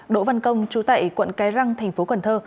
đỗ văn công chú tại quận cái răng thành phố cần thơ